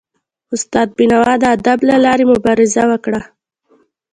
استاد بینوا د ادب له لاري مبارزه وکړه.